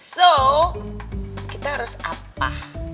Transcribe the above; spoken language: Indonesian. jadi kita harus apa